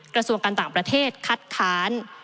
กกันต่างประเทศขัดค้าน